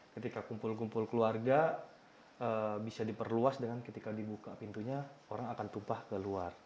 ketika kumpul kumpul keluarga bisa diperluas dengan ketika dibuka pintunya orang akan tumpah ke luar